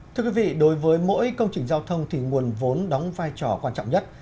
thưa quý vị đối với mỗi công trình giao thông thì nguồn vốn đóng vai trò quan trọng nhất